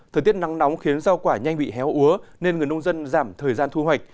thời tiết nắng nóng khiến rau quả nhanh bị héo úa nên người nông dân giảm thời gian thu hoạch